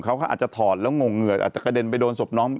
เขาก็อาจจะถอดแล้วงงเหงื่ออาจจะกระเด็นไปโดนศพน้อง